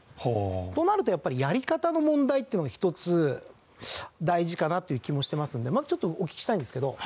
となるとやっぱりやり方の問題っていうのが一つ大事かなという気もしてますんでまずちょっとお聞きしたいんですけど。